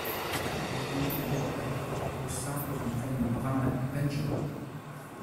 Elle grandit à Mumbai, au sein dans une famille brahmane pendjabie.